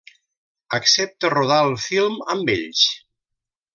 Accepta rodar el film amb ells.